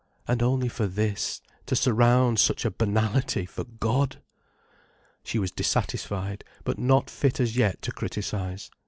And only for this, to surround such a banality for God! She was dissatisfied, but not fit as yet to criticize.